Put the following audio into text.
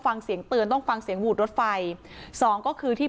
ฟังเสียงเตือนต้องฟังเสียงหวูดรถไฟสองก็คือที่